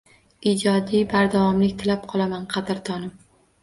Ijodiy bardavomlik tilab qolaman, qadrdonim